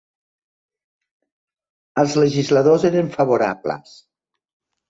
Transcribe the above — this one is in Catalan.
Els legisladors eren favorables.